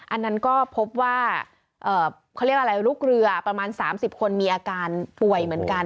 อันนั้นก็พบว่าลูกเรือประมาณ๓๐คนมีอาการป่วยเหมือนกัน